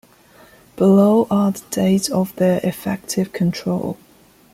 Below are the dates of their effective control.